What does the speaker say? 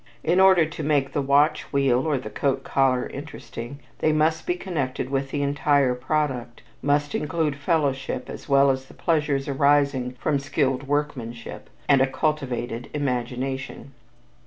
In order to make the watch wheel, or the coat collar interesting, they must be connected with the entire product must include fellowship as well as the pleasures arising from skilled workmanship and a cultivated imagination.